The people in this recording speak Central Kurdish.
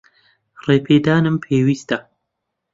ڕێگەپێدانم پێویستە.